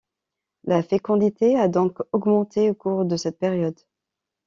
La fécondité a donc augmenté au cours de cette période.